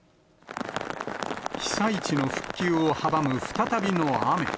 被災地の復旧を阻む再びの雨。